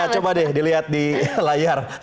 coba deh dilihat di layar